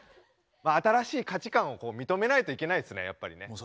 まあ新しい価値観をこう認めないといけないですねやっぱりね。